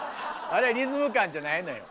あれはリズム感じゃないのよ。